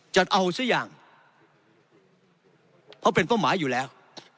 จะเอาซะอย่างเพราะเป็นเป้าหมายอยู่แล้ว